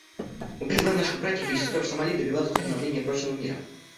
Мы призываем наших братьев и сестер в Сомали добиваться установления прочного мира.